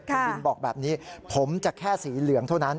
คุณบินบอกแบบนี้ผมจะแค่สีเหลืองเท่านั้น